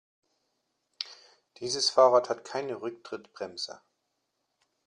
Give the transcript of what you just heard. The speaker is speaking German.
Dieses Fahrrad hat keine Rücktrittbremse.